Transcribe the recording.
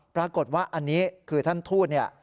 ปรากฏว่าอันนี้คือท่านทูตเนี่ย